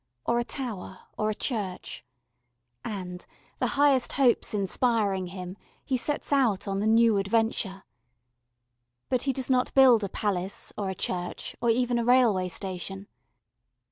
Or a tower or a church. And, the highest hopes inspiring him, he sets out on the new adventure. But he does not build a palace or a church, or even a railway station.